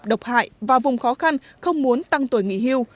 độc hại và vùng khó khăn không muốn tăng tuổi nghỉ hưu